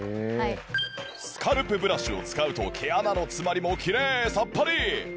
スカルプブラシを使うと毛穴の詰まりもきれいさっぱり